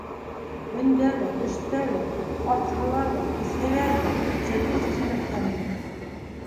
Өндә лә, төштә лә, аҫһалар ҙа, киҫһәләр ҙә серҙе сисмәҫтән булһын.